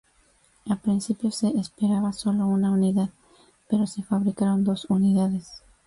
Al principio se esperaba sólo una unidad, pero se fabricaron dos unidades.